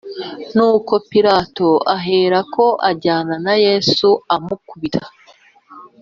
Nuko Pilato aherako ajyana Yesu amukubita